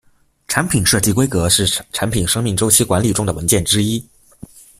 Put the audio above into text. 产品设计规格是产品生命周期管理中的文件之一。